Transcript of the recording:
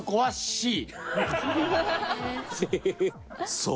そう。